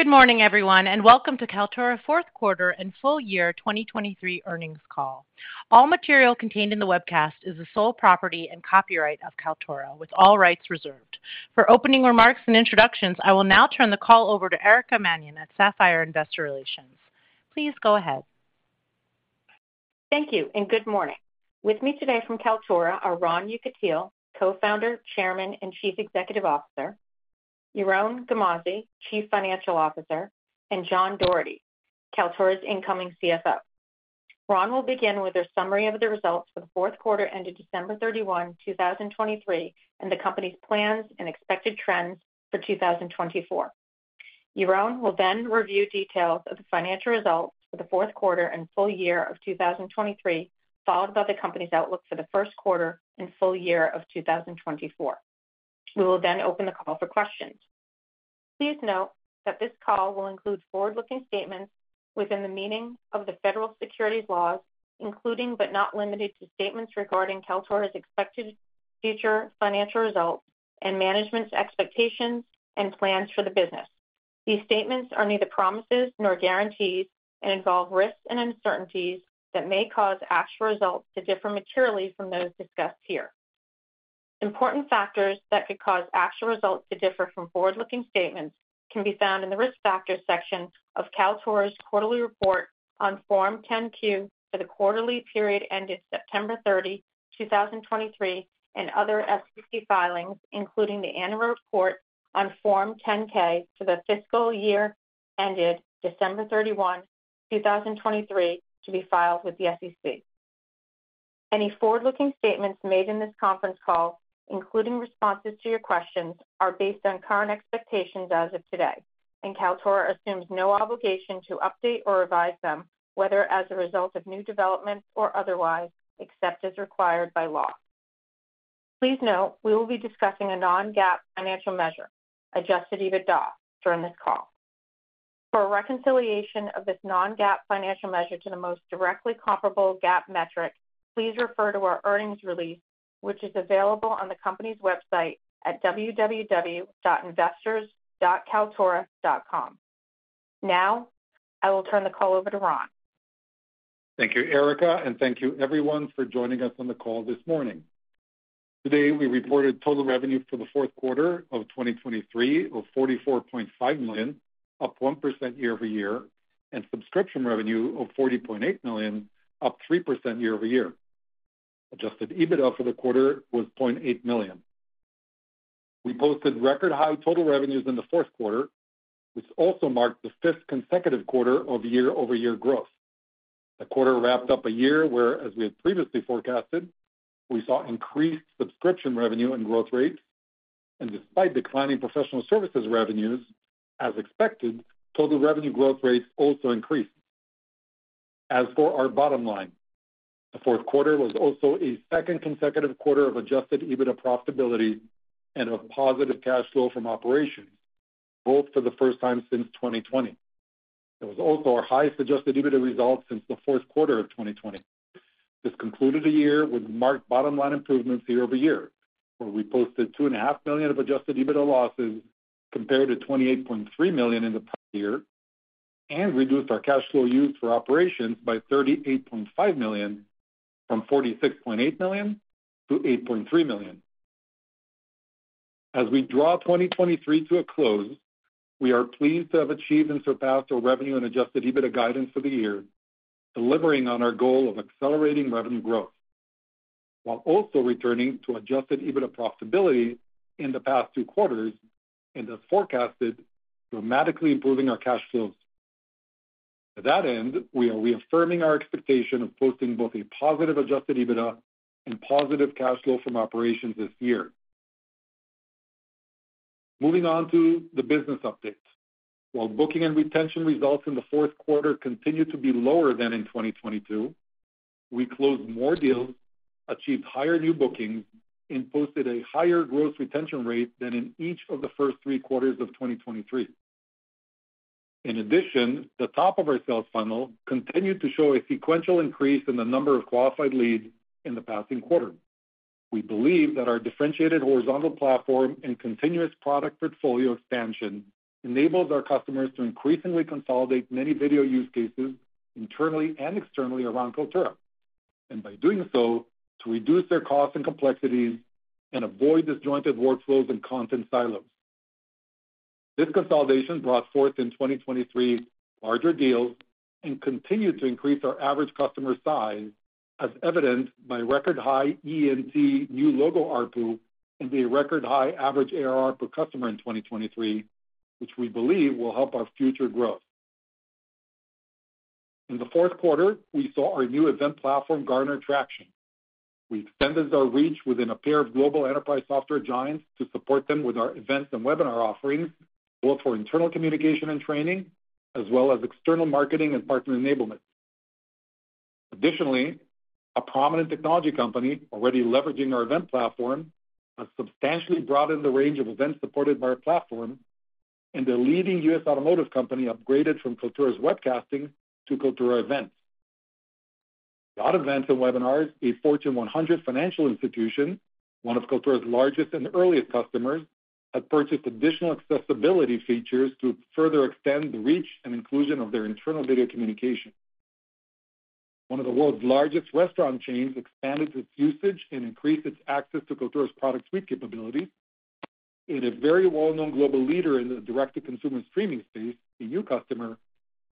Good morning, everyone, and welcome to Kaltura Q4 and Full Year 2023 Earnings Call. All material contained in the webcast is the sole property and copyright of Kaltura, with all rights reserved. For opening remarks and introductions, I will now turn the call over to Erica Mannion at Sapphire Investor Relations. Please go ahead. Thank you, and good morning. With me today from Kaltura are Ron Yekutiel, Co-founder, Chairman, and Chief Executive Officer, Yaron Garmazi, Chief Financial Officer, and John Doherty, Kaltura's incoming CFO. Ron will begin with a summary of the results for the Q4 ended December 31, 2023, and the company's plans and expected trends for 2024. Yaron will then review details of the financial results for the Q4 and full year of 2023, followed by the company's outlook for the Q1 and full year of 2024. We will then open the call for questions. Please note that this call will include forward-looking statements within the meaning of the federal securities laws, including, but not limited to, statements regarding Kaltura's expected future financial results and management's expectations and plans for the business. These statements are neither promises nor guarantees and involve risks and uncertainties that may cause actual results to differ materially from those discussed here. Important factors that could cause actual results to differ from forward-looking statements can be found in the Risk Factors section of Kaltura's quarterly report on Form 10-Q for the quarterly period ended September 30, 2023, and other SEC filings, including the annual report on Form 10-K for the fiscal year ended December 31, 2023, to be filed with the SEC. Any forward-looking statements made in this conference call, including responses to your questions, are based on current expectations as of today, and Kaltura assumes no obligation to update or revise them, whether as a result of new developments or otherwise, except as required by law. Please note, we will be discussing a non-GAAP financial measure, Adjusted EBITDA, during this call. For a reconciliation of this non-GAAP financial measure to the most directly comparable GAAP metric, please refer to our earnings release, which is available on the company's website at www.investors.kaltura.com. Now, I will turn the call over to Ron. Thank you, Erica, and thank you everyone for joining us on the call this morning. Today, we reported total revenue for the Q4 of 2023 of $44.5 million, up 1% year-over-year, and subscription revenue of $40.8 million, up 3% year-over-year. Adjusted EBITDA for the quarter was $0.8 million. We posted record-high total revenues in the Q4, which also marked the 5th consecutive quarter of year-over-year growth. The quarter wrapped up a year where, as we had previously forecasted, we saw increased subscription revenue and growth rates, and despite declining professional services revenues, as expected, total revenue growth rates also increased. As for our bottom line, the Q4 was also a second consecutive quarter of adjusted EBITDA profitability and of positive cash flow from operations, both for the first time since 2020. It was also our highest Adjusted EBITDA results since the Q4 of 2020. This concluded a year with marked bottom line improvements year-over-year, where we posted $2.5 million of Adjusted EBITDA losses compared to $28.3 million in the prior year, and reduced our cash flow used for operations by $38.5 million, from $46.8 million to $8.3 million. As we draw 2023 to a close, we are pleased to have achieved and surpassed our revenue and Adjusted EBITDA guidance for the year, delivering on our goal of accelerating revenue growth, while also returning to Adjusted EBITDA profitability in the past two quarters and as forecasted, dramatically improving our cash flows. To that end, we are reaffirming our expectation of posting both a positive Adjusted EBITDA and positive cash flow from operations this year. Moving on to the business updates. While booking and retention results in the Q4 continued to be lower than in 2022, we closed more deals, achieved higher new bookings, and posted a higher growth retention rate than in each of the first three quarters of 2023. In addition, the top of our sales funnel continued to show a sequential increase in the number of qualified leads in the past quarter. We believe that our differentiated horizontal platform and continuous product portfolio expansion enables our customers to increasingly consolidate many video use cases internally and externally around Kaltura, and by doing so, to reduce their costs and complexities and avoid disjointed workflows and content silos. This consolidation brought forth in 2023 larger deals and continued to increase our average customer size, as evidenced by record-high ENT new logo ARPU and a record-high average ARR per customer in 2023, which we believe will help our future growth. In the Q4, we saw our new event platform garner traction. We extended our reach within a pair of global enterprise software giants to support them with our events and webinar offerings, both for internal communication and training, as well as external marketing and partner enablement. Additionally, a prominent technology company, already leveraging our event platform, has substantially broadened the range of events supported by our platform, and a leading U.S. automotive company upgraded from Kaltura's Webcasting to Kaltura Events. Our events and webinars, a Fortune 100 financial institution, one of Kaltura's largest and earliest customers, have purchased additional accessibility features to further extend the reach and inclusion of their internal video communication. One of the world's largest restaurant chains expanded its usage and increased its access to Kaltura's product suite capabilities, and a very well-known global leader in the direct-to-consumer streaming space, a new customer,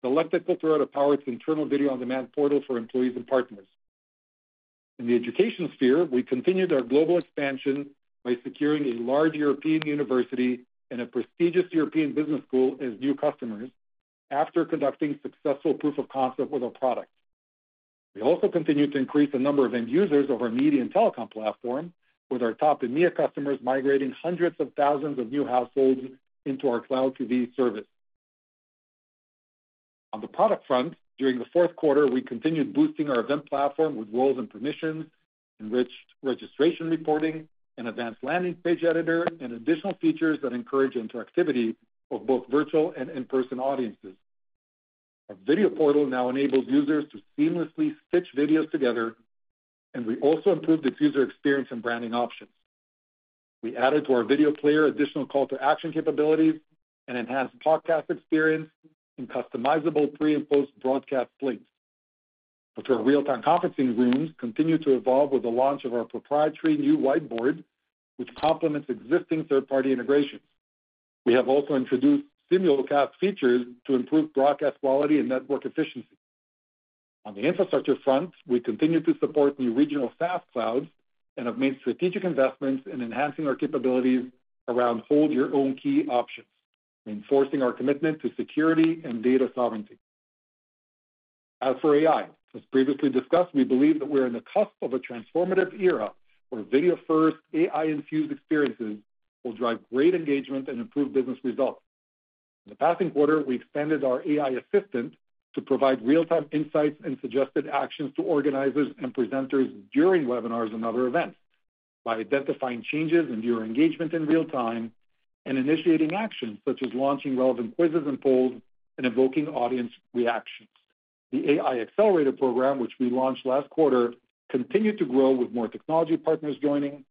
selected Kaltura to power its internal video-on-demand portal for employees and partners. In the education sphere, we continued our global expansion by securing a large European university and a prestigious European business school as new customers after conducting successful proof of concept with our product. We also continued to increase the number of end users of our media and telecom platform, with our top EMEA customers migrating hundreds of thousands of new households into our Cloud TV service. On the product front, during the Q4, we continued boosting our event platform with roles and permissions, enriched registration reporting, an advanced landing page editor, and additional features that encourage interactivity of both virtual and in-person audiences. Our Video Portal now enables users to seamlessly stitch videos together, and we also improved its user experience and branding options. We added to our video player additional call to action capabilities and enhanced podcast experience in customizable pre and post-broadcast plays. But our real-time conferencing rooms continue to evolve with the launch of our proprietary new whiteboard, which complements existing third-party integrations. We have also introduced simulcast features to improve broadcast quality and network efficiency. On the infrastructure front, we continue to support new regional SaaS clouds and have made strategic investments in enhancing our capabilities around hold-your-own-key options, enforcing our commitment to security and data sovereignty. As for AI, as previously discussed, we believe that we're on the cusp of a transformative era, where video-first, AI-infused experiences will drive great engagement and improve business results. In the past quarter, we expanded our AI assistant to provide real-time insights and suggested actions to organizers and presenters during webinars and other events, by identifying changes in viewer engagement in real time and initiating actions such as launching relevant quizzes and polls and invoking audience reactions. The AI Accelerator Program, which we launched last quarter, continued to grow, with more technology partners joining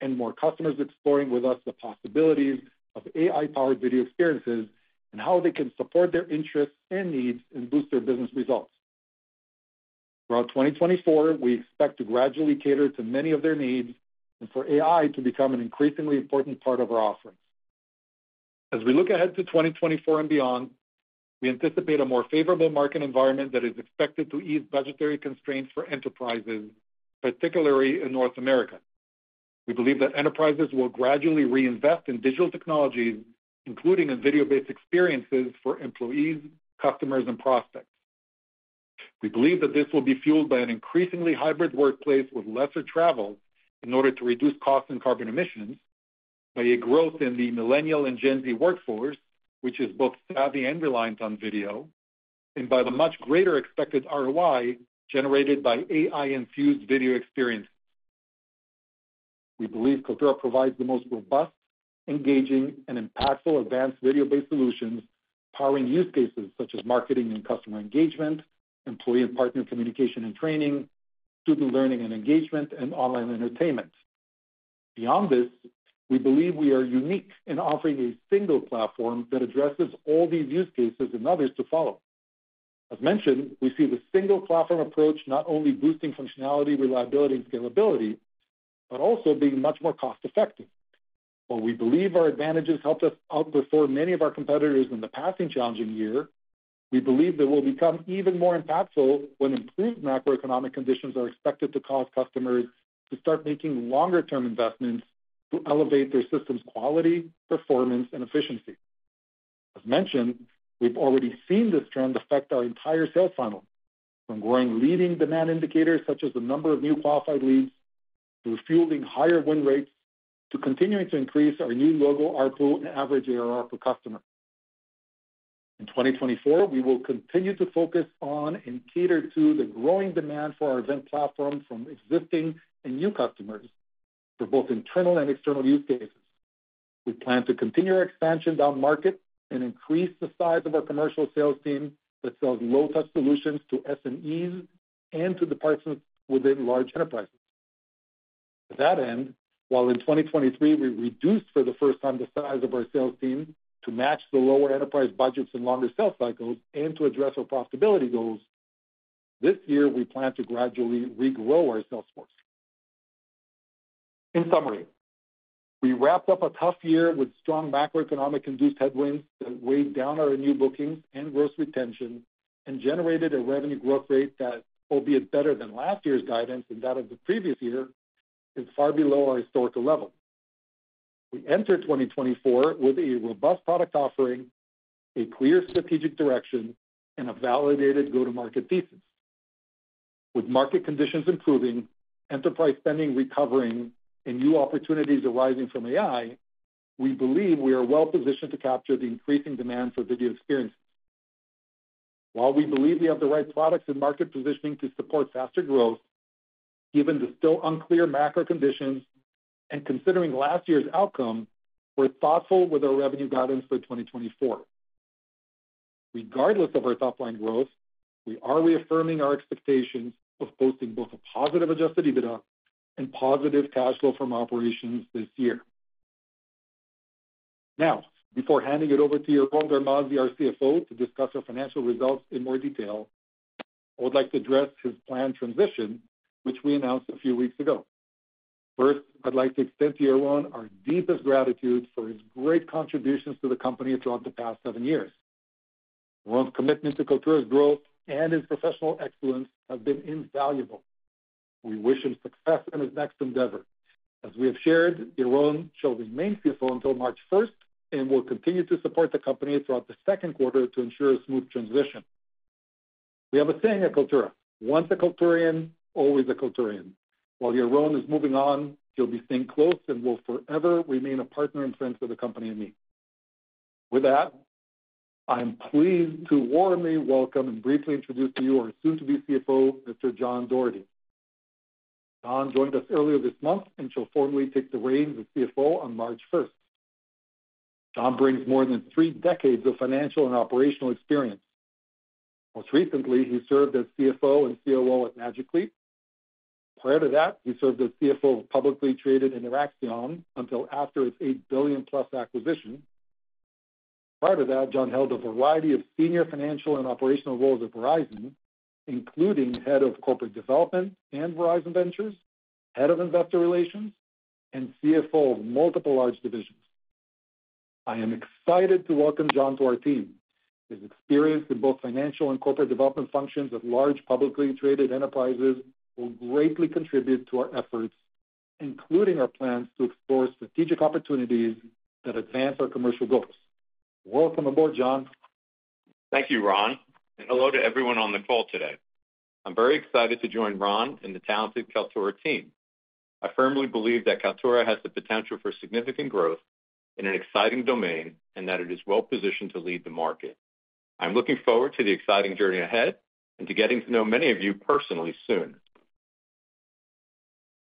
and more customers exploring with us the possibilities of AI-powered video experiences and how they can support their interests and needs and boost their business results. Throughout 2024, we expect to gradually cater to many of their needs and for AI to become an increasingly important part of our offerings. As we look ahead to 2024 and beyond, we anticipate a more favorable market environment that is expected to ease budgetary constraints for enterprises, particularly in North America. We believe that enterprises will gradually reinvest in digital technologies, including in video-based experiences for employees, customers, and prospects. We believe that this will be fueled by an increasingly hybrid workplace with lesser travel in order to reduce costs and carbon emissions, by a growth in the millennial and Gen Z workforce, which is both savvy and reliant on video, and by the much greater expected ROI generated by AI-infused video experiences. We believe Kaltura provides the most robust, engaging, and impactful advanced video-based solutions, powering use cases such as marketing and customer engagement, employee and partner communication and training, student learning and engagement, and online entertainment. Beyond this, we believe we are unique in offering a single platform that addresses all these use cases and others to follow. As mentioned, we see the single platform approach not only boosting functionality, reliability, and scalability, but also being much more cost-effective. While we believe our advantages helped us outperform many of our competitors in the past challenging year, we believe that we'll become even more impactful when improved macroeconomic conditions are expected to cause customers to start making longer-term investments to elevate their system's quality, performance, and efficiency. As mentioned, we've already seen this trend affect our entire sales funnel, from growing leading demand indicators, such as the number of new qualified leads, to refueling higher win rates, to continuing to increase our new logo, ARPU, and average ARR per customer. In 2024, we will continue to focus on and cater to the growing demand for our event platform from existing and new customers for both internal and external use cases. We plan to continue our expansion down-market and increase the size of our commercial sales team that sells low-touch solutions to SMEs and to departments within large enterprises. To that end, while in 2023, we reduced for the first time the size of our sales team to match the lower enterprise budgets and longer sales cycles and to address our profitability goals, this year we plan to gradually regrow our sales force. In summary, we wrapped up a tough year with strong macroeconomic-induced headwinds that weighed down our new bookings and gross retention and generated a revenue growth rate that, albeit better than last year's guidance and that of the previous year, is far below our historical level. We enter 2024 with a robust product offering, a clear strategic direction, and a validated go-to-market thesis. With market conditions improving, enterprise spending recovering, and new opportunities arising from AI, we believe we are well positioned to capture the increasing demand for video experiences. While we believe we have the right products and market positioning to support faster growth, given the still unclear macro conditions and considering last year's outcome, we're thoughtful with our revenue guidance for 2024. Regardless of our top line growth, we are reaffirming our expectations of posting both a positive Adjusted EBITDA and positive cash flow from operations this year. Now, before handing it over to Yaron Garmazi, our CFO, to discuss our financial results in more detail, I would like to address his planned transition, which we announced a few weeks ago. First, I'd like to extend to Yaron our deepest gratitude for his great contributions to the company throughout the past seven years. Yaron's commitment to Kaltura's growth and his professional excellence have been invaluable. We wish him success in his next endeavor. As we have shared, Yaron shall remain CFO until March first, and will continue to support the company throughout the Q2 to ensure a smooth transition. We have a saying at Kaltura, "Once a Kalturian, always a Kalturian." While Yaron is moving on, he'll be staying close and will forever remain a partner and friend to the company and me. With that, I'm pleased to warmly welcome and briefly introduce to you our soon-to-be CFO, Mr. John Doherty. John joined us earlier this month and shall formally take the reins as CFO on March first. John brings more than three decades of financial and operational experience. Most recently, he served as CFO and COO at Magic Leap. Prior to that, he served as CFO of publicly traded Interxion until after its $8 billion-plus acquisition. Prior to that, John held a variety of senior financial and operational roles at Verizon, including head of corporate development and Verizon Ventures, head of investor relations, and CFO of multiple large divisions. I am excited to welcome John to our team. His experience in both financial and corporate development functions of large, publicly traded enterprises will greatly contribute to our efforts, including our plans to explore strategic opportunities that advance our commercial goals. Welcome aboard, John. Thank you, Ron, and hello to everyone on the call today. I'm very excited to join Ron and the talented Kaltura team. I firmly believe that Kaltura has the potential for significant growth in an exciting domain, and that it is well-positioned to lead the market. I'm looking forward to the exciting journey ahead and to getting to know many of you personally soon.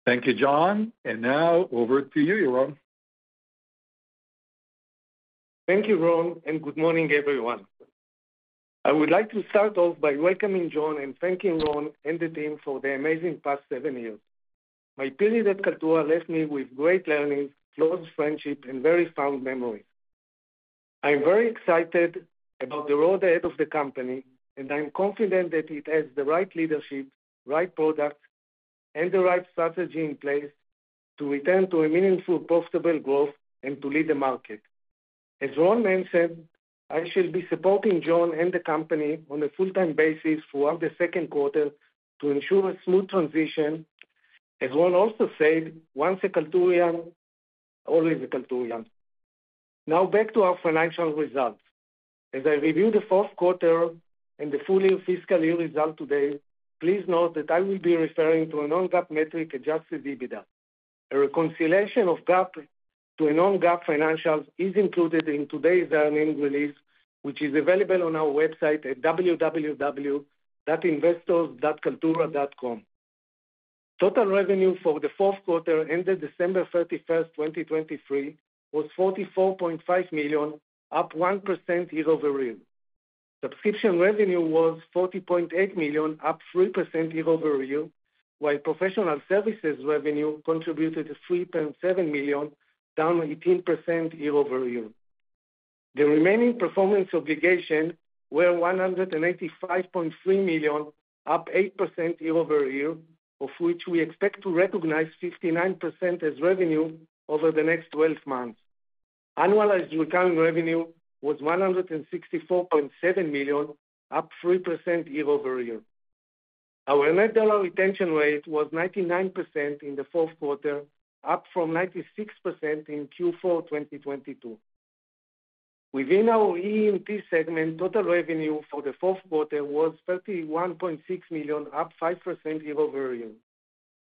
Thank you, John. And now over to you, Yaron. Thank you, Ron, and good morning, everyone. I would like to start off by welcoming John and thanking Ron and the team for the amazing past seven years. My period at Kaltura left me with great learning, close friendship, and very fond memories. I'm very excited about the road ahead of the company, and I'm confident that it has the right leadership, right products, and the right strategy in place to return to a meaningful, profitable growth and to lead the market. As Ron mentioned, I shall be supporting John and the company on a full-time basis throughout the Q2 to ensure a smooth transition. As Ron also said, "Once a Kalturaian, always a Kalturaian." Now, back to our financial results. As I review the Q4 and the full fiscal year results today, please note that I will be referring to a non-GAAP metric, adjusted EBITDA. A reconciliation of GAAP to a non-GAAP financials is included in today's earnings release, which is available on our website at www.investors.kaltura.com. Total revenue for the Q4, ended December 31, 2023, was $44.5 million, up 1% year-over-year. Subscription revenue was $40.8 million, up 3% year-over-year, while professional services revenue contributed $3.7 million, down 18% year-over-year. The remaining performance obligations were $185.3 million, up 8% year-over-year, of which we expect to recognize 59% as revenue over the next twelve months. Annualized recurring revenue was $164.7 million, up 3% year-over-year. Our net dollar retention rate was 99% in the Q4, up from 96% in Q4 2022. Within our ENT segment, total revenue for the Q4 was $31.6 million, up 5% year-over-year.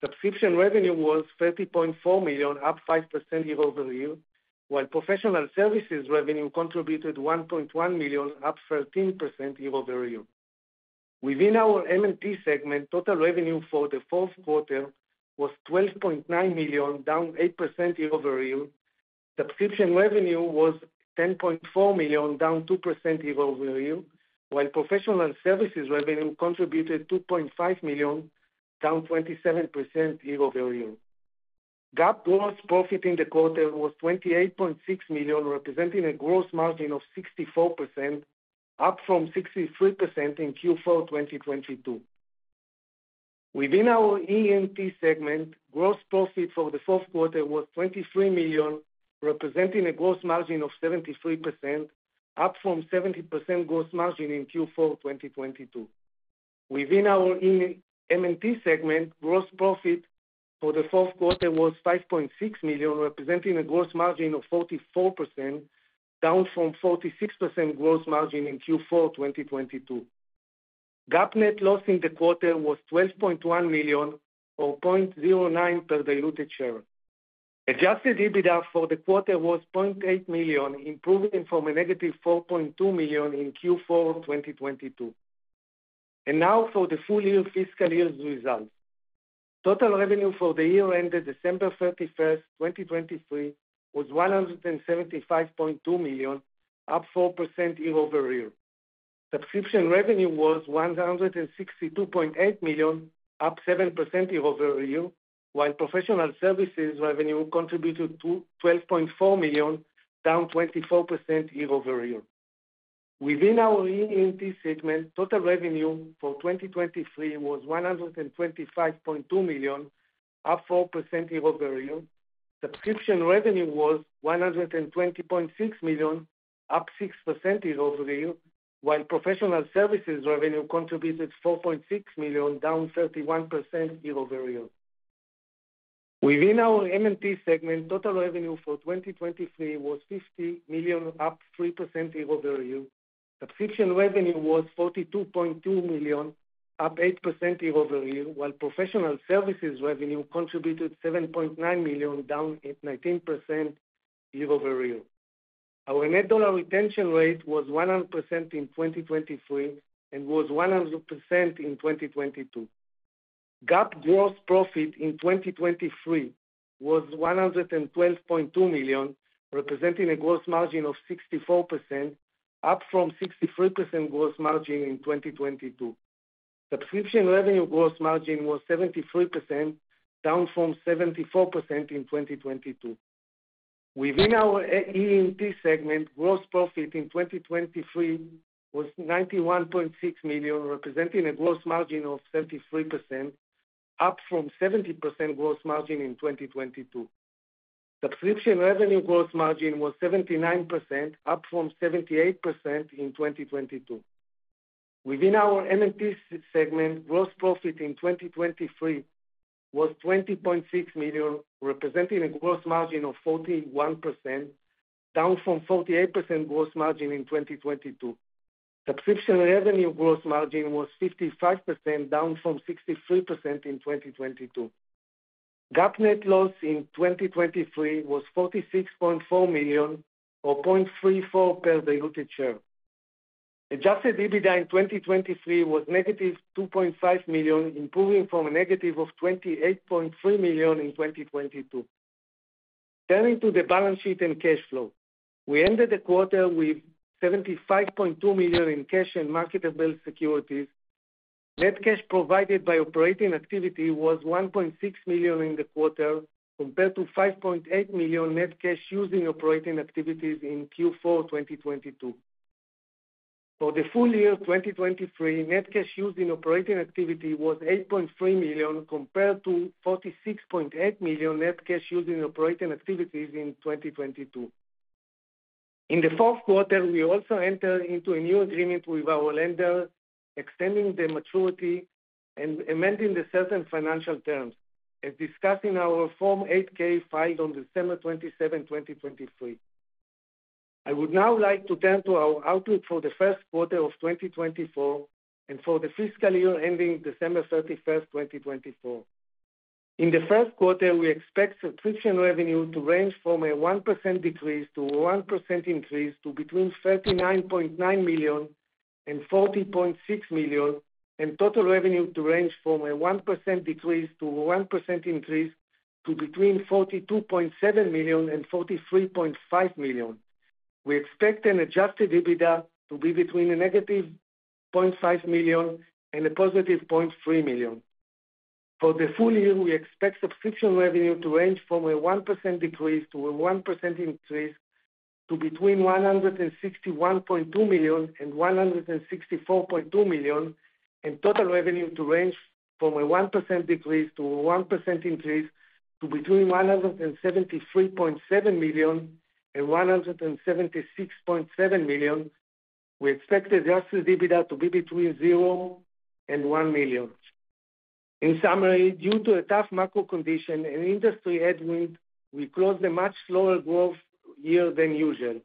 Subscription revenue was $30.4 million, up 5% year-over-year, while professional services revenue contributed $1.1 million, up 13% year-over-year. Within our M&T segment, total revenue for the Q4 was $12.9 million, down 8% year-over-year. Subscription revenue was $10.4 million, down 2% year-over-year, while professional services revenue contributed $2.5 million, down 27% year-over-year. GAAP gross profit in the quarter was $28.6 million, representing a gross margin of 64%, up from 63% in Q4 2022. Within our ENT segment, gross profit for the Q4 was $23 million, representing a gross margin of 73%, up from 70% gross margin in Q4 2022. Within our M&T segment, gross profit for the Q4 was $5.6 million, representing a gross margin of 44%, down from 46% gross margin in Q4 2022. GAAP net loss in the quarter was $12.1 million, or $0.09 per diluted share. Adjusted EBITDA for the quarter was $0.8 million, improving from -$4.2 million in Q4 2022. And now for the full year fiscal year's results. Total revenue for the year ended December 31, 2023, was $175.2 million, up 4% year-over-year. Subscription revenue was $162.8 million, up 7% year-over-year, while professional services revenue contributed to $12.4 million, down 24% year-over-year. Within our ENT segment, total revenue for 2023 was $125.2 million, up 4% year-over-year. Subscription revenue was $120.6 million, up 6% year-over-year, while professional services revenue contributed $4.6 million, down 31% year-over-year. Within our M&T segment, total revenue for 2023 was $50 million, up 3% year-over-year. Subscription revenue was $42.2 million, up 8% year-over-year, while professional services revenue contributed $7.9 million, down 19% year-over-year. Our net dollar retention rate was 100% in 2023 and was 100% in 2022. GAAP gross profit in 2023 was $112.2 million, representing a gross margin of 64%, up from 63% gross margin in 2022. Subscription revenue gross margin was 73%, down from 74% in 2022. Within our ENT segment, gross profit in 2023 was $91.6 million, representing a gross margin of 73%, up from 70% gross margin in 2022. Subscription revenue gross margin was 79%, up from 78% in 2022. Within our M&T segment, gross profit in 2023 was $20.6 million, representing a gross margin of 41%, down from 48% gross margin in 2022. Subscription revenue gross margin was 55%, down from 63% in 2022. GAAP net loss in 2023 was $46.4 million, or $0.34 per diluted share. Adjusted EBITDA in 2023 was negative $2.5 million, improving from a negative of $28.3 million in 2022. Turning to the balance sheet and cash flow. We ended the quarter with $75.2 million in cash and marketable securities. Net cash provided by operating activity was $1.6 million in the quarter, compared to $5.8 million net cash used in operating activities in Q4 2022. For the full year 2023, net cash used in operating activity was $8.3 million compared to $46.8 million net cash used in operating activities in 2022. In the Q4, we also entered into a new agreement with our lender, extending the maturity and amending certain financial terms, as discussed in our Form 8-K filed on December 27, 2023. I would now like to turn to our outlook for the Q1 of 2024 and for the fiscal year ending December 31, 2024. In the Q1, we expect subscription revenue to range from a 1% decrease to a 1% increase to between $39.9 million and $40.6 million, and total revenue to range from a 1% decrease to a 1% increase to between $42.7 million and $43.5 million. We expect adjusted EBITDA to be between a negative $0.5 million and a positive $0.3 million. For the full year, we expect subscription revenue to range from a 1% decrease to a 1% increase to between $161.2 million and $164.2 million, and total revenue to range from a 1% decrease to a 1% increase to between $173.7 million and $176.7 million. We expect Adjusted EBITDA to be between $0 and $1 million. In summary, due to a tough macro condition and industry headwind, we closed a much slower growth year than usual,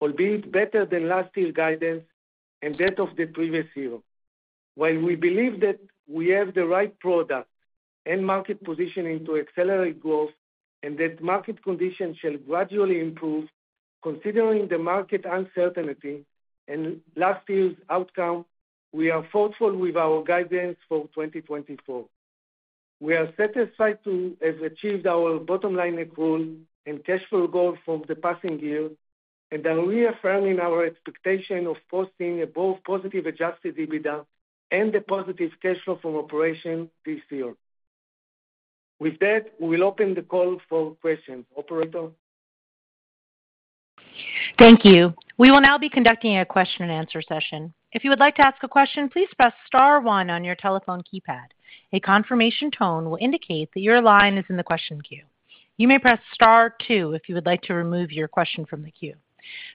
albeit better than last year's guidance and that of the previous year. While we believe that we have the right product and market positioning to accelerate growth and that market conditions shall gradually improve, considering the market uncertainty and last year's outcome, we are thoughtful with our guidance for 2024. We are satisfied to have achieved our bottom-line goal and cash flow goal from the passing year, and are reaffirming our expectation of posting above positive Adjusted EBITDA and a positive cash flow from operation this year. With that, we'll open the call for questions. Operator? Thank you. We will now be conducting a question-and-answer session. If you would like to ask a question, please press star one on your telephone keypad. A confirmation tone will indicate that your line is in the question queue. You may press star two if you would like to remove your question from the queue.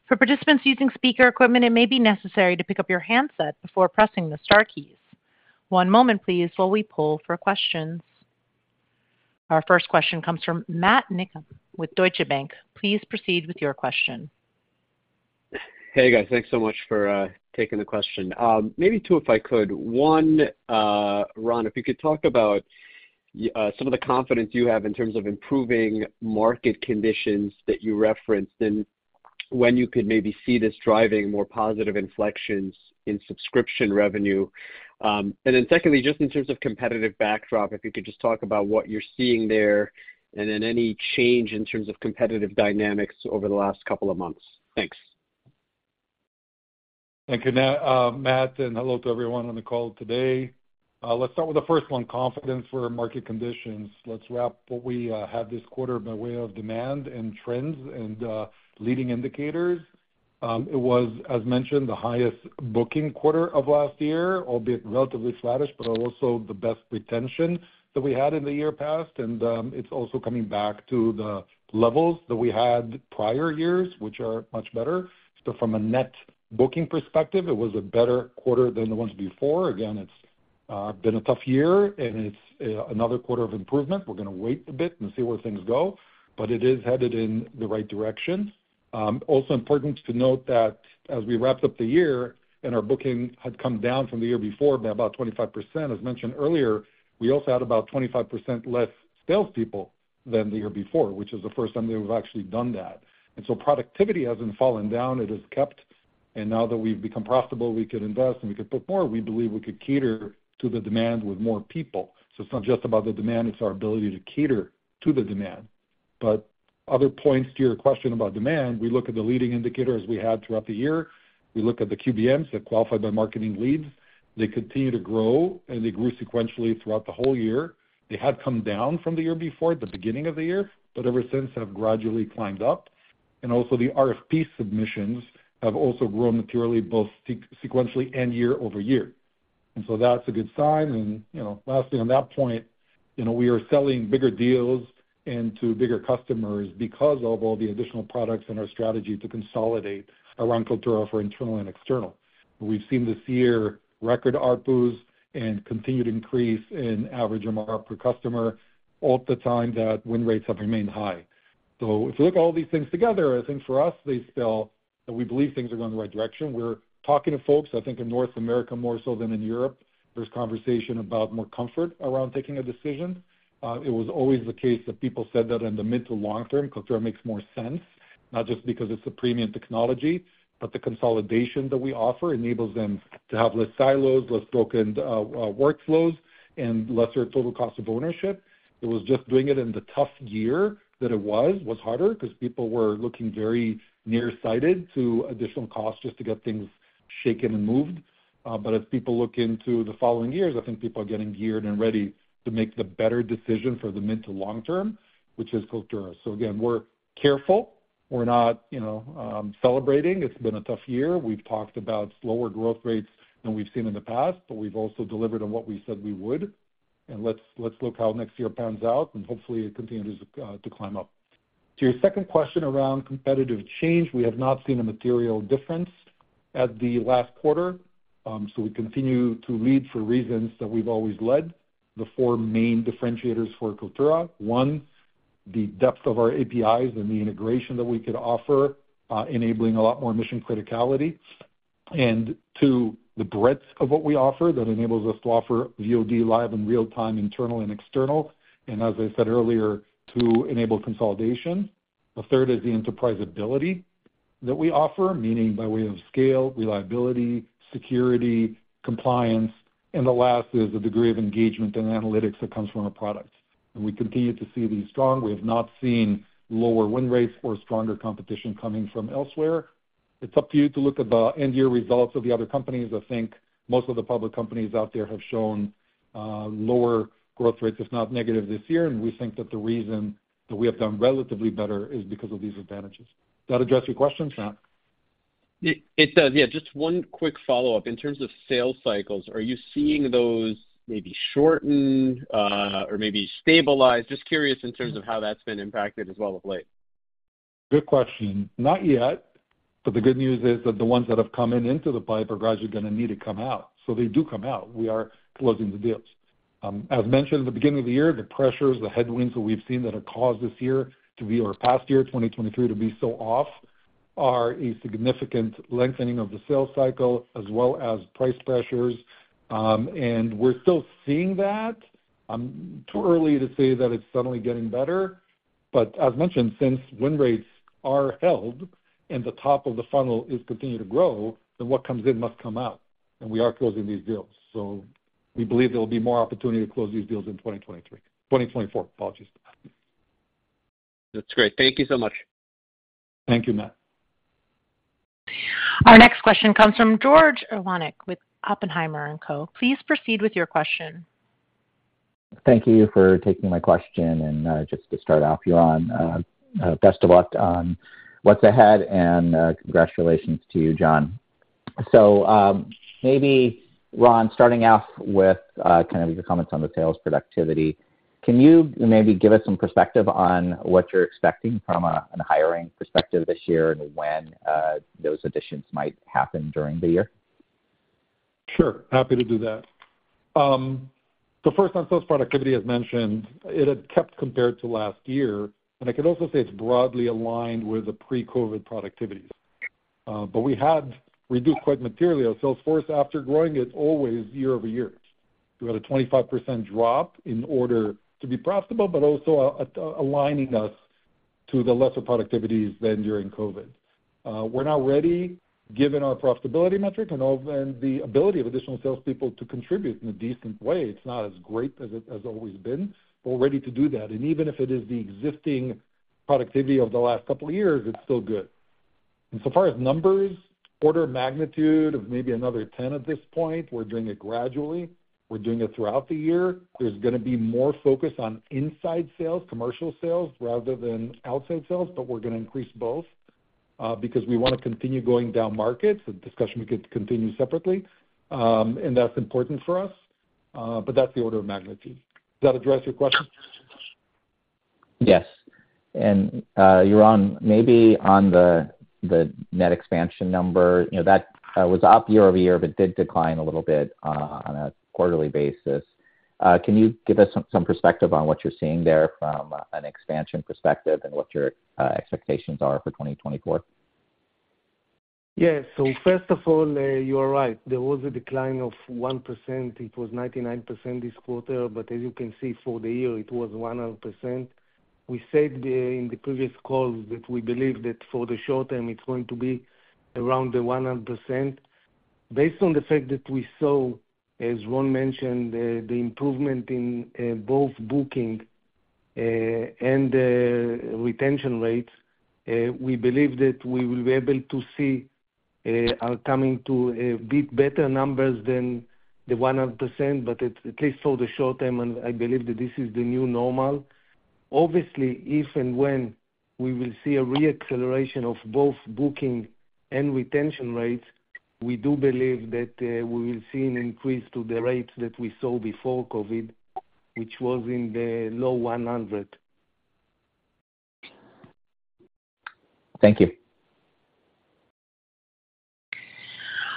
For participants using speaker equipment, it may be necessary to pick up your handset before pressing the star keys. One moment, please, while we poll for questions. Our first question comes from Matt Niknam with Deutsche Bank. Please proceed with your question. Hey, guys, thanks so much for taking the question. Maybe two, if I could. One, Ron, if you could talk about some of the confidence you have in terms of improving market conditions that you referenced, and when you could maybe see this driving more positive inflections in subscription revenue? And then secondly, just in terms of competitive backdrop, if you could just talk about what you're seeing there, and then any change in terms of competitive dynamics over the last couple of months. Thanks. Thank you, Matt, and hello to everyone on the call today. Let's start with the first one, confidence for market conditions. Let's wrap what we have this quarter by way of demand and trends and leading indicators. It was, as mentioned, the highest booking quarter of last year, albeit relatively flattish, but also the best retention that we had in the year past, and it's also coming back to the levels that we had prior years, which are much better. So from a net booking perspective, it was a better quarter than the ones before. Again, it's been a tough year, and it's another quarter of improvement. We're gonna wait a bit and see where things go, but it is headed in the right direction. Also important to note that as we wrapped up the year and our booking had come down from the year before by about 25%, as mentioned earlier, we also had about 25% less salespeople than the year before, which is the first time that we've actually done that. And so productivity hasn't fallen down. It has kept. And now that we've become profitable, we can invest, and we can put more. We believe we could cater to the demand with more people. So it's not just about the demand, it's our ability to cater to the demand. But other points to your question about demand, we look at the leading indicators we had throughout the year. We look at the QBMs, the qualified by marketing leads. They continue to grow, and they grew sequentially throughout the whole year. They had come down from the year before, the beginning of the year, but ever since, have gradually climbed up. And also, the RFP submissions have also grown materially, both sequentially and year-over-year. And so that's a good sign. And, you know, lastly, on that point, you know, we are selling bigger deals and to bigger customers because of all the additional products and our strategy to consolidate around Kaltura for internal and external. We've seen this year record ARPU and continued increase in average MRR per customer, all at the time that win rates have remained high. So if you look at all these things together, I think for us, they spell that we believe things are going in the right direction. We're talking to folks, I think, in North America more so than in Europe. There's conversation about more comfort around taking a decision. It was always the case that people said that in the mid to long term, Kaltura makes more sense, not just because it's a premium technology, but the consolidation that we offer enables them to have less silos, less broken workflows, and lesser total cost of ownership. It was just doing it in the tough year that it was, was harder because people were looking very near-sighted to additional costs just to get things shaken and moved. But as people look into the following years, I think people are getting geared and ready to make the better decision for the mid to long term, which is Kaltura. So again, we're careful. We're not, you know, celebrating. It's been a tough year. We've talked about slower growth rates than we've seen in the past, but we've also delivered on what we said we would. And let's, let's look how next year pans out, and hopefully it continues to climb up. To your second question around competitive change, we have not seen a material difference at the last quarter. So we continue to lead for reasons that we've always led. The four main differentiators for Kaltura, one, the depth of our APIs and the integration that we could offer, enabling a lot more mission criticality, and two, the breadth of what we offer that enables us to offer VOD, live and real-time, internal and external, and as I said earlier, to enable consolidation. The third is the enterprise ability that we offer, meaning by way of scale, reliability, security, compliance, and the last is the degree of engagement and analytics that comes from our products. And we continue to see these strong. We have not seen lower win rates or stronger competition coming from elsewhere. It's up to you to look at the end-year results of the other companies. I think most of the public companies out there have shown lower growth rates, if not negative this year, and we think that the reason that we have done relatively better is because of these advantages. Does that address your questions, Matt? It does. Yeah, just one quick follow-up. In terms of sales cycles, are you seeing those maybe shorten, or maybe stabilize? Just curious in terms of how that's been impacted as well of late. Good question. Not yet, but the good news is that the ones that have come in into the pipe are gradually gonna need to come out. So they do come out. We are closing the deals. As mentioned at the beginning of the year, the pressures, the headwinds that we've seen that have caused this year to be our past year, 2023 to be so off, are a significant lengthening of the sales cycle as well as price pressures. And we're still seeing that. Too early to say that it's suddenly getting better, but as mentioned, since win rates are held and the top of the funnel is continuing to grow, then what comes in must come out, and we are closing these deals. So we believe there will be more opportunity to close these deals in 2023. 2024, apologies. That's great. Thank you so much. Thank you, Matt. Our next question comes from George Iwanyc with Oppenheimer & Co. Please proceed with your question. Thank you for taking my question, and, just to start off, John, best of luck on what's ahead, and, congratulations to you, John. So, maybe, Ron, starting off with, kind of your comments on the sales productivity, can you maybe give us some perspective on what you're expecting from a, an hiring perspective this year and when, those additions might happen during the year? Sure. Happy to do that. So first, on sales productivity, as mentioned, it had kept compared to last year, and I can also say it's broadly aligned with the pre-COVID productivity. But we had reduced quite materially our sales force after growing it always year over year. We had a 25% drop in order to be profitable, but also, aligning us to the lesser productivities than during COVID. We're now ready, given our profitability metric and and the ability of additional salespeople to contribute in a decent way. It's not as great as it has always been, but we're ready to do that. And even if it is the existing productivity of the last couple of years, it's still good. And so far as numbers, order of magnitude of maybe another 10 at this point. We're doing it gradually. We're doing it throughout the year. There's gonna be more focus on inside sales, commercial sales, rather than outside sales, but we're gonna increase both, because we want to continue going down market, so the discussion could continue separately. That's important for us, but that's the order of magnitude. Does that address your question? Yes. And, Yaron, maybe on the net expansion number, you know, that was up year-over-year, but did decline a little bit on a quarterly basis. Can you give us some perspective on what you're seeing there from an expansion perspective and what your expectations are for 2024? Yes. So first of all, you are right. There was a decline of 1%. It was 99% this quarter, but as you can see for the year, it was 100%. We said the, in the previous calls that we believe that for the short term, it's going to be around the 100%. Based on the fact that we saw, as Ron mentioned, the improvement in both booking and retention rates, we believe that we will be able to see our coming to a bit better numbers than the 100%, but at least for the short term, and I believe that this is the new normal. Obviously, if and when we will see a re-acceleration of both booking and retention rates, we do believe that we will see an increase to the rates that we saw before COVID, which was in the low 100. Thank you.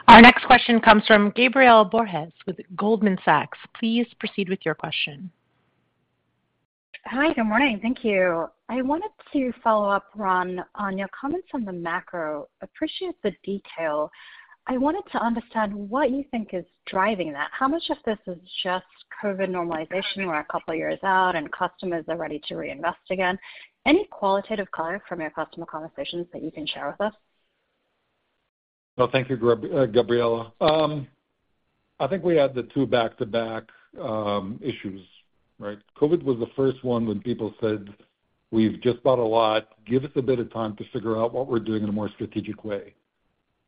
Our next question comes from Gabriela Borges with Goldman Sachs. Please proceed with your question. Hi, good morning. Thank you. I wanted to follow up, Ron, on your comments on the macro. Appreciate the detail. I wanted to understand what you think is driving that. How much of this is just COVID normalization, we're a couple of years out, and customers are ready to reinvest again? Any qualitative color from your customer conversations that you can share with us? Well, thank you, Gab, Gabriela. I think we had the two back-to-back issues, right? COVID was the first one when people said, We've just bought a lot. Give us a bit of time to figure out what we're doing in a more strategic way.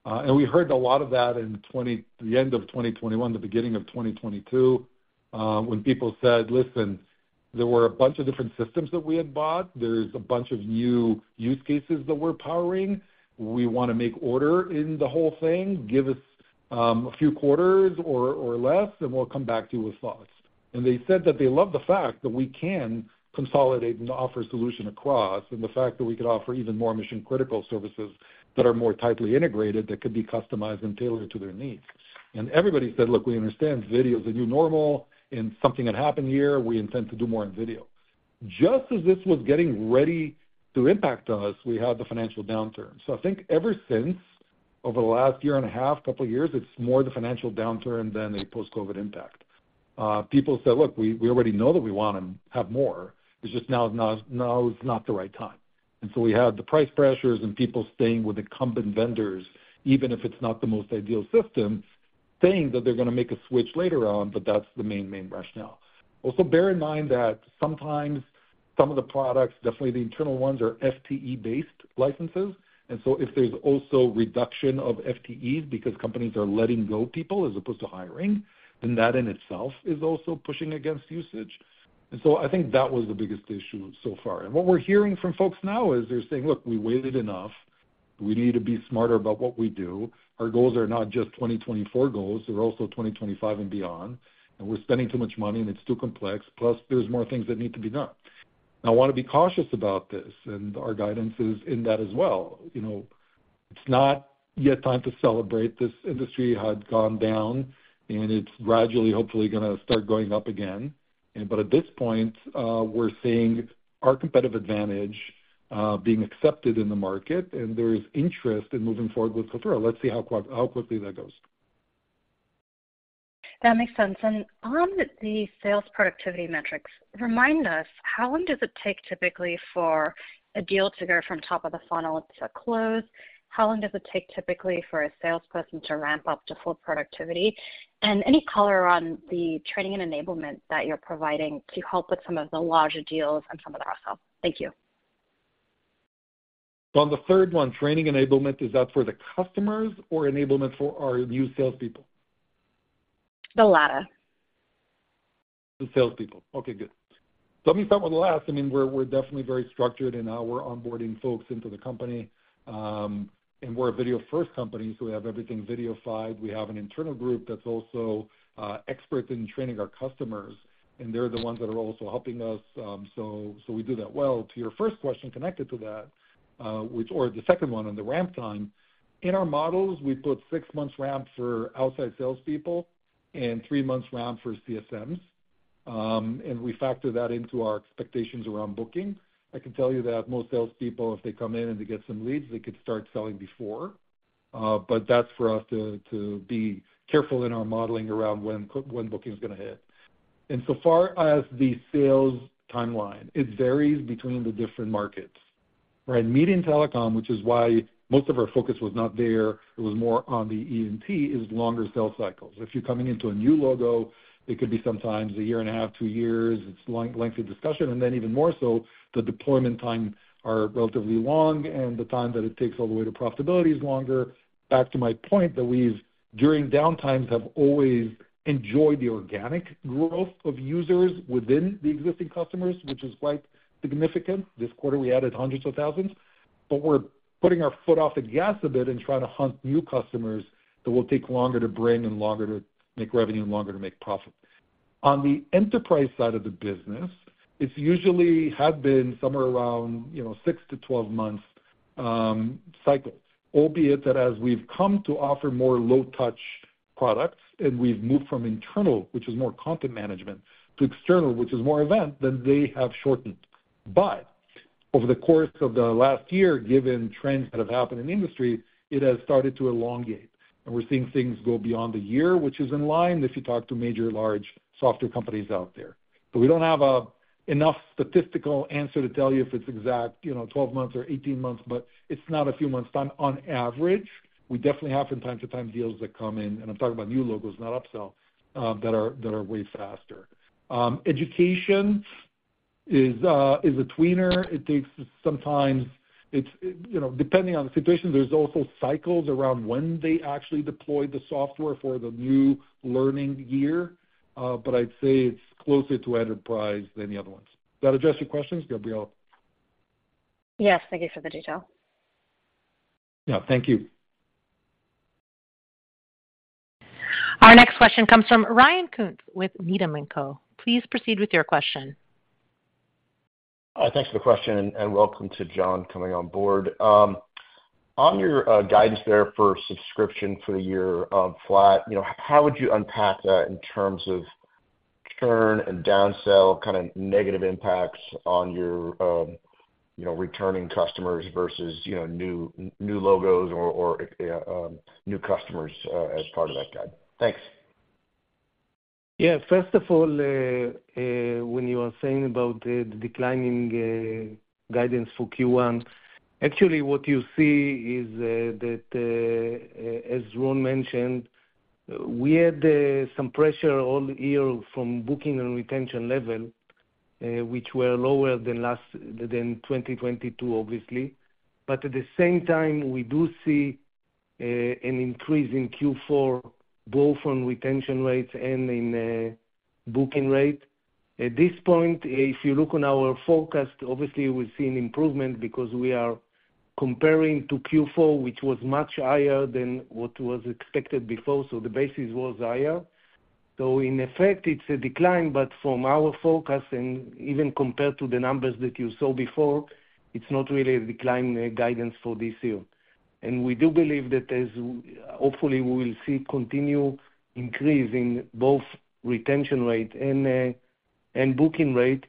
And we heard a lot of that in 2020, the end of 2021, the beginning of 2022, when people said, Listen, there were a bunch of different systems that we had bought. There's a bunch of new use cases that we're powering. We wanna make order in the whole thing. Give us a few quarters or less, and we'll come back to you with thoughts. And they said that they love the fact that we can consolidate and offer solution across, and the fact that we could offer even more mission-critical services that are more tightly integrated, that could be customized and tailored to their needs. And everybody said, "Look, we understand video is the new normal, and something had happened here. We intend to do more in video." Just as this was getting ready to impact us, we had the financial downturn. So I think ever since, over the last year and a half, couple of years, it's more the financial downturn than a post-COVID impact. People said, "Look, we already know that we want to have more. It's just now is not the right time." We had the price pressures and people staying with incumbent vendors, even if it's not the most ideal system, saying that they're gonna make a switch later on, but that's the main, main rationale. Also, bear in mind that sometimes some of the products, definitely the internal ones, are FTE-based licenses. If there's also reduction of FTEs because companies are letting go people as opposed to hiring, then that in itself is also pushing against usage. I think that was the biggest issue so far. What we're hearing from folks now is they're saying, "Look, we waited enough. We need to be smarter about what we do." Our goals are not just 2024 goals, they're also 2025 and beyond, and we're spending too much money, and it's too complex, plus there's more things that need to be done. I wanna be cautious about this, and our guidance is in that as well. You know, it's not yet time to celebrate. This industry had gone down, and it's gradually, hopefully, gonna start going up again. And, but at this point, we're seeing our competitive advantage, being accepted in the market, and there is interest in moving forward with Kaltura. Let's see how quick, how quickly that goes. That makes sense. On the sales productivity metrics, remind us, how long does it take typically for a deal to go from top of the funnel to close? How long does it take typically for a salesperson to ramp up to full productivity? And any color on the training and enablement that you're providing to help with some of the larger deals and some of the upsells? Thank you. On the third one, training enablement, is that for the customers or enablement for our new salespeople? The latter. The salespeople. Okay, good. Let me start with the last. I mean, we're, we're definitely very structured in how we're onboarding folks into the company. And we're a video-first company, so we have everything videofied. We have an internal group that's also, experts in training our customers, and they're the ones that are also helping us. So, so we do that well. To your first question, connected to that, which or the second one on the ramp time, in our models, we put six months ramp for outside salespeople and three months ramp for CSMs. And we factor that into our expectations around booking. I can tell you that most salespeople, if they come in and they get some leads, they could start selling before. But that's for us to, to be careful in our modeling around when booking's gonna hit. So far as the sales timeline, it varies between the different markets, right? Media and telecom, which is why most of our focus was not there, it was more on the ENT, is longer sales cycles. If you're coming into a new logo, it could be sometimes 1.5 years, two years. It's long, lengthy discussion, and then even more so, the deployment time are relatively long, and the time that it takes all the way to profitability is longer. Back to my point, that we've, during downtimes, have always enjoyed the organic growth of users within the existing customers, which is quite significant. This quarter, we added hundreds of thousands, but we're putting our foot off the gas a bit and trying to hunt new customers that will take longer to bring and longer to make revenue and longer to make profit. On the enterprise side of the business, it's usually had been somewhere around, you know, six to 12 months cycles. Albeit that as we've come to offer more low touch products, and we've moved from internal, which is more content management, to external, which is more event, then they have shortened. But over the course of the last year, given trends that have happened in the industry, it has started to elongate, and we're seeing things go beyond a year, which is in line if you talk to major large software companies out there. But we don't have an enough statistical answer to tell you if it's exact, you know, 12 months or 18 months, but it's not a few months time on average. We definitely have, from time to time, deals that come in, and I'm talking about new logos, not upsell, that are, that are way faster. Education is a tweener. It takes some time. It's, it, you know, depending on the situation, there's also cycles around when they actually deploy the software for the new learning year, but I'd say it's closer to enterprise than the other ones. Does that address your questions, Gabriela? Yes, thank you for the detail. Yeah, thank you. Our next question comes from Ryan Koontz with Needham & Company. Please proceed with your question. Thanks for the question, and welcome to John coming on board. On your guidance there for subscription for the year, flat, you know, how would you unpack that in terms of churn and downsell, kind of negative impacts on your, you know, returning customers versus, you know, new logos or new customers, as part of that guide? Thanks. Yeah, first of all, when you are saying about the declining guidance for Q1, actually what you see is that, as Ron mentioned, we had some pressure all year from booking and retention level, which were lower than 2022, obviously. But at the same time, we do see an increase in Q4, both on retention rates and in booking rate. At this point, if you look on our forecast, obviously we see an improvement because we are comparing to Q4, which was much higher than what was expected before, so the basis was higher. So in effect, it's a decline, but from our focus and even compared to the numbers that you saw before, it's not really a decline guidance for this year. We do believe that as, hopefully, we will see continue increase in both retention rate and booking rate,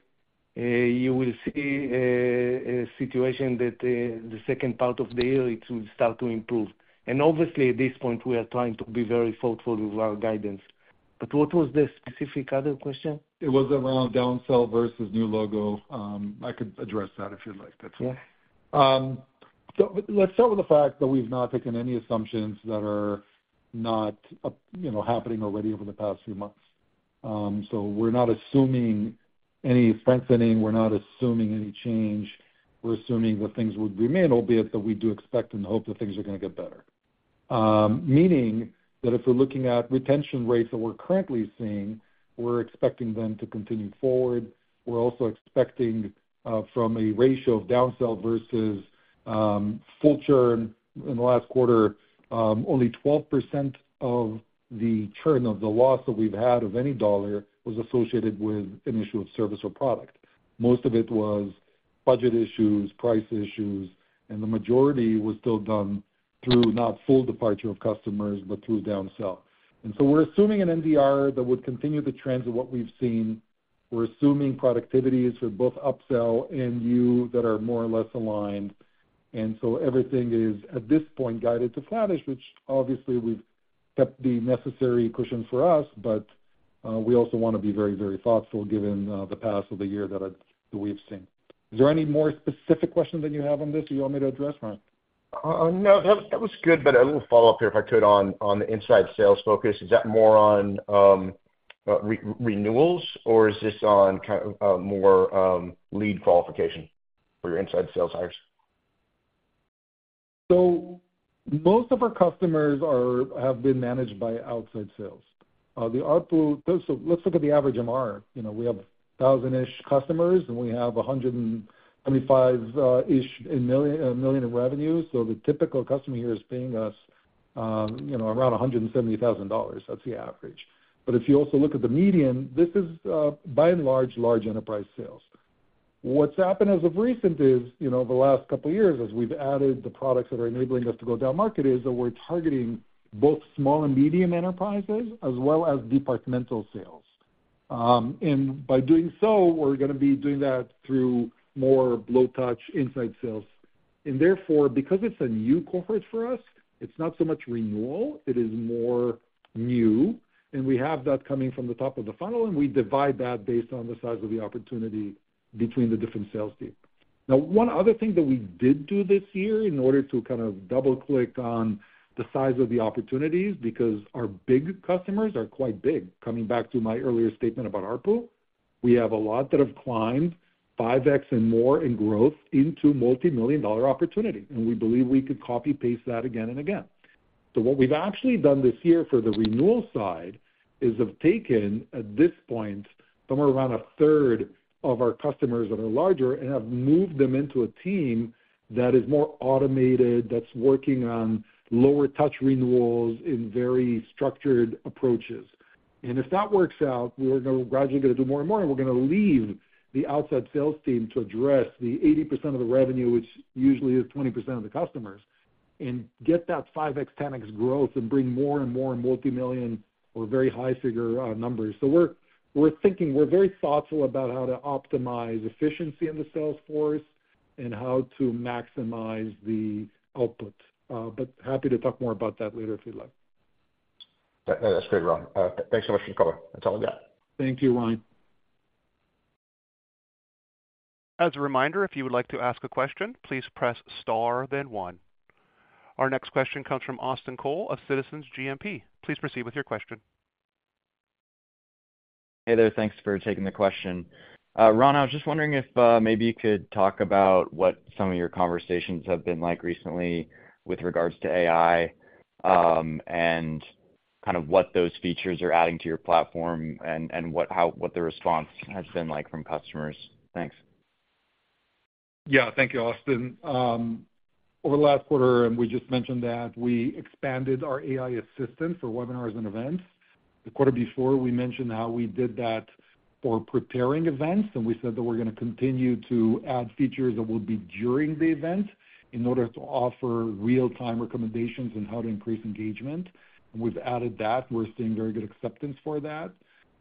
you will see a situation that the second part of the year, it will start to improve. Obviously, at this point, we are trying to be very thoughtful with our guidance. But what was the specific other question? It was around downsell versus new logo. I could address that if you'd like. That's- Yeah. So let's start with the fact that we've not taken any assumptions that are not up, you know, happening already over the past few months. So we're not assuming any strengthening, we're not assuming any change. We're assuming that things would remain, albeit that we do expect and hope that things are gonna get better. Meaning that if we're looking at retention rates that we're currently seeing, we're expecting them to continue forward. We're also expecting, from a ratio of downsell versus, full churn in the last quarter, only 12% of the churn of the loss that we've had of any dollar was associated with an issue of service or product. Most of it was budget issues, price issues, and the majority was still done through not full departure of customers, but through downsell. And so we're assuming an NDR that would continue the trends of what we've seen. We're assuming productivities are both upsell and you, that are more or less aligned. And so everything is, at this point, guided to flattish, which obviously we've kept the necessary cushion for us, but we also wanna be very, very thoughtful given the past of the year that we've seen. Is there any more specific questions that you have on this you want me to address, Ryan? No, that was, that was good, but a little follow-up here, if I could, on, on the inside sales focus. Is that more on renewals, or is this on kind of more lead qualification for your inside sales hires? So most of our customers are, have been managed by outside sales. Let's look at the average MR. You know, we have 1,000-ish customers, and we have 125-ish million in revenue. So the typical customer here is paying us, you know, around $170,000. That's the average. But if you also look at the median, this is by and large, large enterprise sales. What's happened as of recent is, you know, over the last couple of years, as we've added the products that are enabling us to go down market, is that we're targeting both small and medium enterprises as well as departmental sales. And by doing so, we're gonna be doing that through more low-touch inside sales. Therefore, because it's a new corporate for us, it's not so much renewal, it is more new, and we have that coming from the top of the funnel, and we divide that based on the size of the opportunity between the different sales team. Now, one other thing that we did do this year in order to kind of double-click on the size of the opportunities, because our big customers are quite big, coming back to my earlier statement about ARPU, we have a lot that have climbed 5x and more in growth into multimillion-dollar opportunity, and we believe we could copy-paste that again and again. So what we've actually done this year for the renewal side is have taken, at this point, somewhere around a third of our customers that are larger and have moved them into a team that is more automated, that's working on lower touch renewals in very structured approaches. And if that works out, we're gonna gradually gonna do more and more, and we're gonna leave the outside sales team to address the 80% of the revenue, which usually is 20% of the customers, and get that 5x, 10x growth and bring more and more multimillion or very high-figure numbers. So we're, we're thinking, we're very thoughtful about how to optimize efficiency in the sales force and how to maximize the output. But happy to talk more about that later, if you'd like. That's great, Ron. Thanks so much for the call. That's all I got. Thank you, Ryan. As a reminder, if you would like to ask a question, please press star, then one. Our next question comes from Austin Cole of Citizens JMP. Please proceed with your question. Hey there. Thanks for taking the question. Ron, I was just wondering if maybe you could talk about what some of your conversations have been like recently with regards to AI, and kind of what those features are adding to your platform and what the response has been like from customers. Thanks. Yeah. Thank you, Austin. Over the last quarter, and we just mentioned that we expanded our AI assistance for webinars and events. The quarter before, we mentioned how we did that for preparing events, and we said that we're gonna continue to add features that will be during the event in order to offer real-time recommendations on how to increase engagement. We've added that, and we're seeing very good acceptance for that.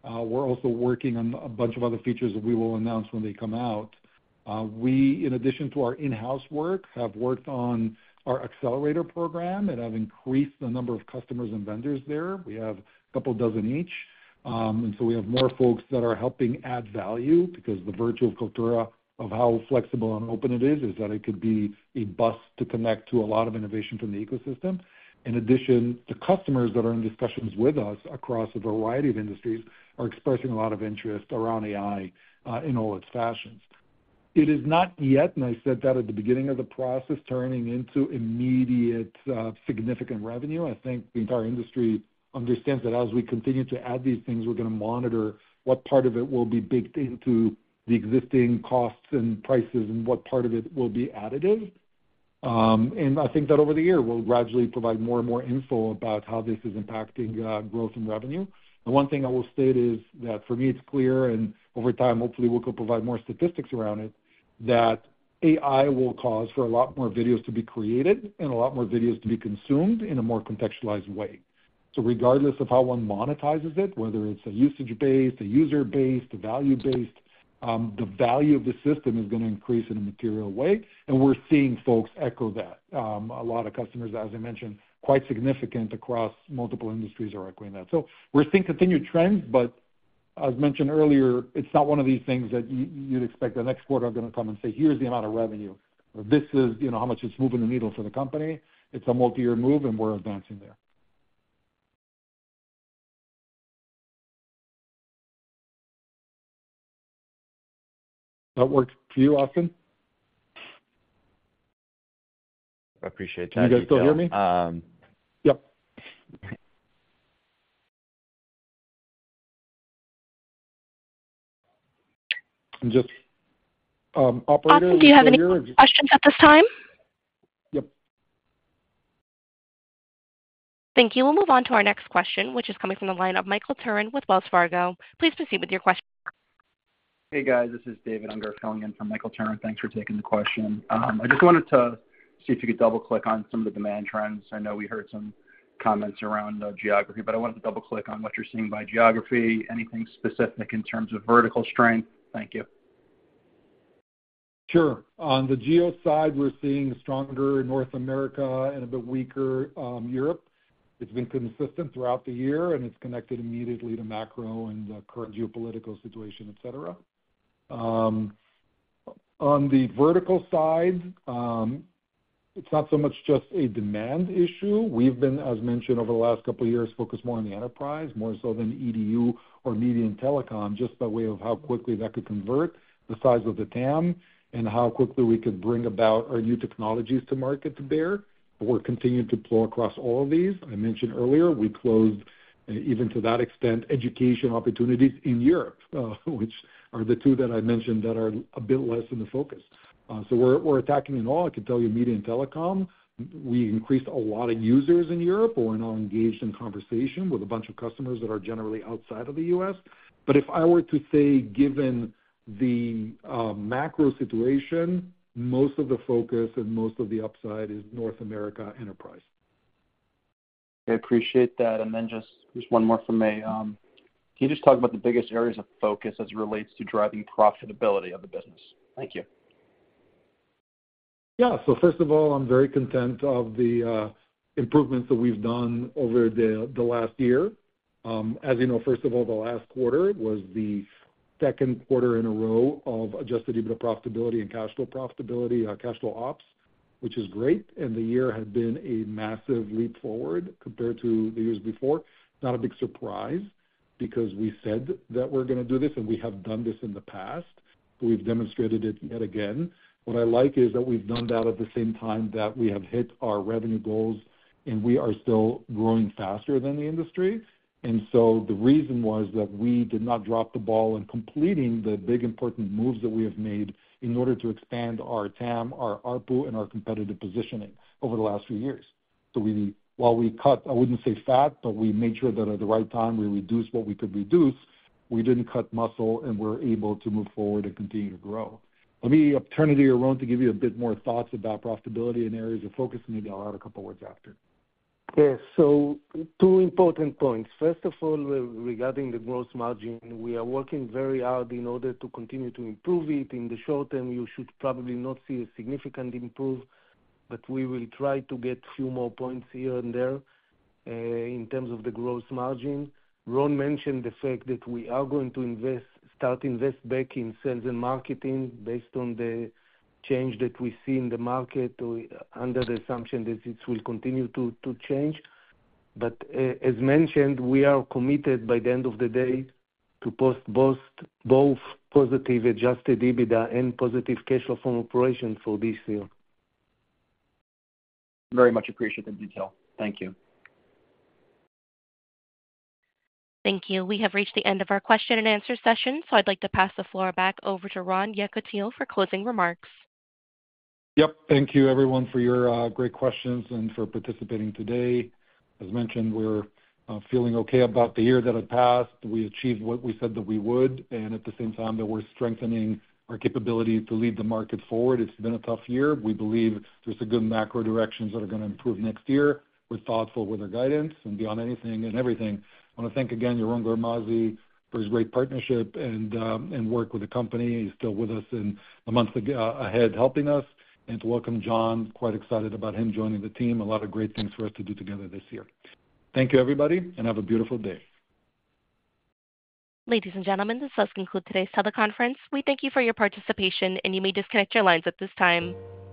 We're also working on a bunch of other features that we will announce when they come out. We, in addition to our in-house work, have worked on our accelerator program and have increased the number of customers and vendors there. We have a couple of dozen each. We have more folks that are helping add value because the virtual culture of how flexible and open it is, is that it could be a bus to connect to a lot of innovation from the ecosystem. In addition, the customers that are in discussions with us across a variety of industries are expressing a lot of interest around AI in all its fashions. It is not yet, and I said that at the beginning of the process, turning into immediate significant revenue. I think the entire industry understands that as we continue to add these things, we're gonna monitor what part of it will be baked into the existing costs and prices and what part of it will be additive. And I think that over the year, we'll gradually provide more and more info about how this is impacting growth and revenue. The one thing I will state is that for me, it's clear, and over time, hopefully, we could provide more statistics around it, that AI will cause for a lot more videos to be created and a lot more videos to be consumed in a more contextualized way. So regardless of how one monetizes it, whether it's a usage-based, a user-based, a value-based, the value of the system is gonna increase in a material way, and we're seeing folks echo that. A lot of customers, as I mentioned, quite significant across multiple industries, are echoing that. So we're seeing continued trends, but as mentioned earlier, it's not one of these things that you'd expect the next quarter, I'm gonna come and say, "Here's the amount of revenue." This is, you know, how much it's moving the needle for the company. It's a multi-year move, and we're advancing there. That work for you, Austin? I appreciate that. Can you guys still hear me? Yep. Austin, do you have any more questions at this time? Yep. Thank you. We'll move on to our next question, which is coming from the line of Michael Turrin with Wells Fargo. Please proceed with your question. Hey, guys. This is David Unger filling in for Michael Turrin. Thanks for taking the question. I just wanted to see if you could double-click on some of the demand trends. I know we heard some comments around geography, but I wanted to double-click on what you're seeing by geography. Anything specific in terms of vertical strength? Thank you. Sure. On the geo side, we're seeing stronger North America and a bit weaker Europe. It's been consistent throughout the year, and it's connected immediately to macro and the current geopolitical situation, et cetera. On the vertical side, it's not so much just a demand issue. We've been, as mentioned, over the last couple of years, focused more on the enterprise, more so than EDU or media and telecom, just by way of how quickly that could convert the size of the TAM and how quickly we could bring about our new technologies to market to bear. We're continuing to plow across all of these. I mentioned earlier, we closed, even to that extent, education opportunities in Europe, which are the two that I mentioned that are a bit less in the focus. So we're, we're attacking it all. I can tell you, media and telecom, we increased a lot of users in Europe. We're now engaged in conversation with a bunch of customers that are generally outside of the US. But if I were to say, given the macro situation, most of the focus and most of the upside is North America Enterprise. I appreciate that. And then just, just one more from me. Can you just talk about the biggest areas of focus as it relates to driving profitability of the business? Thank you. Yeah. So first of all, I'm very content of the improvements that we've done over the last year. As you know, first of all, the last quarter was the Q2 in a row of Adjusted EBITDA profitability and cash flow profitability, cash flow ops, which is great, and the year had been a massive leap forward compared to the years before. Not a big surprise, because we said that we're gonna do this, and we have done this in the past. We've demonstrated it yet again. What I like is that we've done that at the same time that we have hit our revenue goals, and we are still growing faster than the industry. The reason was that we did not drop the ball in completing the big, important moves that we have made in order to expand our TAM, our ARPU, and our competitive positioning over the last few years. So we, while we cut, I wouldn't say fat, but we made sure that at the right time, we reduced what we could reduce. We didn't cut muscle, and we're able to move forward and continue to grow. Let me turn it to Yaron to give you a bit more thoughts about profitability and areas of focus, and maybe I'll add a couple words after. Yes, so two important points. First of all, regarding the gross margin, we are working very hard in order to continue to improve it. In the short term, you should probably not see a significant improvement, but we will try to get a few more points here and there in terms of the gross margin. Ron mentioned the fact that we are going to start to invest back in sales and marketing based on the change that we see in the market under the assumption that it will continue to change. But, as mentioned, we are committed by the end of the day to post both positive Adjusted EBITDA and positive cash flow from operations for this year. Very much appreciate the detail. Thank you. Thank you. We have reached the end of our question and answer session, so I'd like to pass the floor back over to Ron Yekutiel for closing remarks. Yep. Thank you everyone for your great questions and for participating today. As mentioned, we're feeling okay about the year that had passed. We achieved what we said that we would, and at the same time, that we're strengthening our capability to lead the market forward. It's been a tough year. We believe there's some good macro directions that are gonna improve next year. We're thoughtful with our guidance and beyond anything and everything. I wanna thank again, Yaron Garmazi, for his great partnership and work with the company. He's still with us in the months ahead, helping us. And to welcome John, quite excited about him joining the team. A lot of great things for us to do together this year. Thank you, everybody, and have a beautiful day. Ladies and gentlemen, this does conclude today's teleconference. We thank you for your participation, and you may disconnect your lines at this time.